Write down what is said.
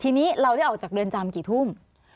ทีนี้เราได้ออกจากเรือนจำกี่ทุ่ม